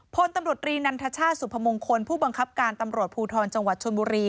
พลตำรวจรีนันทชาติสุพมงคลผู้บังคับการตำรวจภูทรจังหวัดชนบุรี